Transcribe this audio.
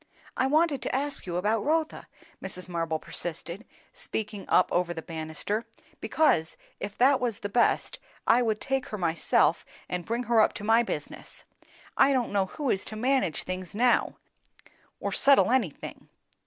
"I wanted to ask you about Rotha," Mrs. Marble persisted, speaking up over the bannisters, "because, if that was the best, I would take her myself and bring her up to my business. I don't know who is to manage things now, or settle anything."